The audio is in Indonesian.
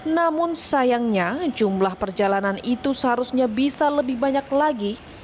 namun sayangnya jumlah perjalanan itu seharusnya bisa lebih banyak lagi